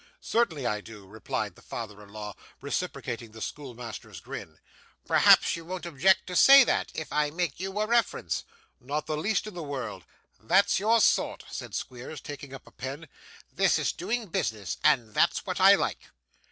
'Certainly I do,' replied the father in law, reciprocating the schoolmaster's grin. 'Perhaps you won't object to say that, if I make you a reference?' 'Not the least in the world.' 'That's your sort!' said Squeers, taking up a pen; 'this is doing business, and that's what I like.